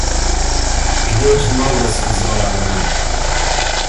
Пьют много, — сказала она.